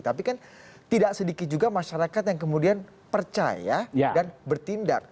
tapi kan tidak sedikit juga masyarakat yang kemudian percaya dan bertindak